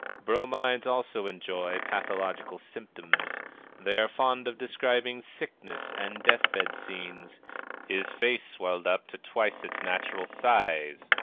Bromides also enjoy pathological symptoms. They are fond of describing sickness and death bed scenes. "His face swelled up to twice its natural size!"